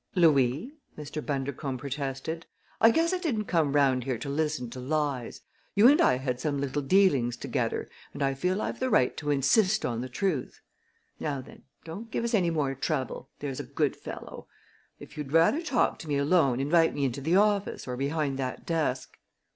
"Louis," Mr. Bundercombe protested, "I guess I didn't come round here to listen to lies. You and I had some little dealings together and I feel I've the right to insist on the truth. Now, then, don't give us any more trouble there's a good fellow! If you'd rather talk to me alone invite me into the office or behind that desk."